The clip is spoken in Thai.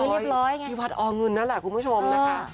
เรียบร้อยไงที่วัดอเงินนั่นแหละคุณผู้ชมนะคะ